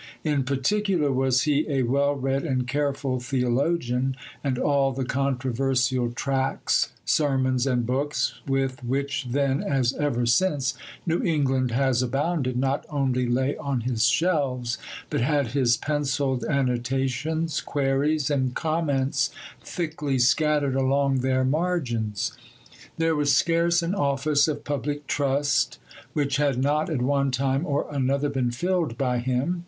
In particular was he a well read and careful theologian, and all the controversial tracts, sermons, and books, with which then, as ever since, New England has abounded, not only lay on his shelves, but had his pencilled annotations, queries, and comments thickly scattered along their margins. There was scarce an office of public trust which had not at one time or another been filled by him.